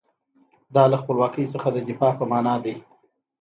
دا له خپلواکۍ څخه د دفاع په معنی دی.